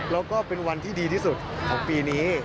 แล้วก็เป็นวันที่ดีที่สุดของปีนี้